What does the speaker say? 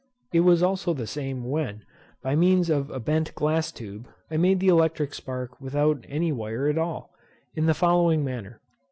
It was also the same when, by means of a bent glass tube, I made the electric spark without any wire at all, in the following manner.